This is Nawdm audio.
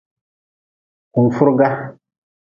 Kunfurga.